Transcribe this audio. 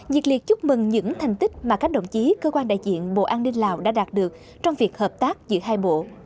nhiệt liệt chúc mừng những thành tích mà các đồng chí cơ quan đại diện bộ an ninh lào đã đạt được trong việc hợp tác giữa hai bộ